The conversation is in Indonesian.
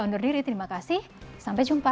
undur diri terima kasih sampai jumpa